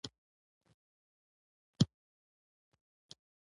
دوکان ته په پښتو کې هټۍ وايي